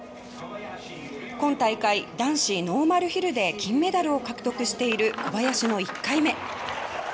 今大会、男子ノーマルヒルで金メダルを獲得している小林の１回目。